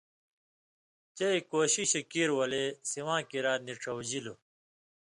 چئ کؤشیشہ کیریۡ ولے سِواں کِریا نیۡ ڇؤژِلوۡ۔